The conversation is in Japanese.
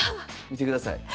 見てください。